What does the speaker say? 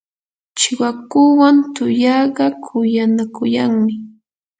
chiwakuwan tuyaqa kuyanakuyanmi.